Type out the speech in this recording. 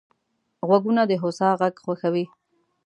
غوږونه د هوسا غږ خوښوي